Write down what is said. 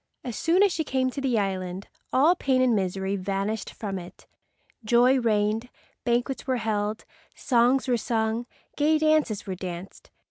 As soon as she came to the island all pain and misery vanished from it. Joy reigned. Banquets were held, songs were sung, gay dances were danced.